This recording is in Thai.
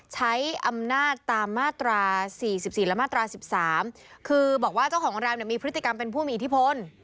ใช้อำนาจตามมาตรา๔๔และมาตรา๑๓คือบอกว่าเจ้าของโรงแรมเนี่ยมีพฤติกรรมเป็นผู้มีอิทธิพล